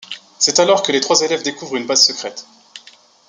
C'est alors que les trois élèves découvrent une base secrète.